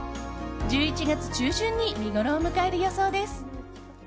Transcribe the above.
１１月中旬に見ごろを迎える予想です。